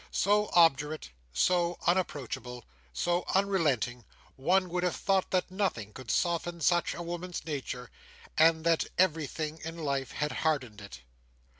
So obdurate, so unapproachable, so unrelenting, one would have thought that nothing could soften such a woman's nature, and that everything in life had hardened it.